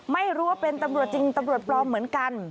ไม่รู้ว่าเป็นตำรวจจริงตำรวจปลอมเหมือนกัน